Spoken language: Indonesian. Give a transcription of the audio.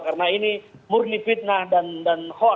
karena ini murni fitnah dan hot ya